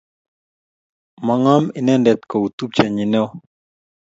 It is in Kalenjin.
mangoom inendet kuu tupchenyi neoo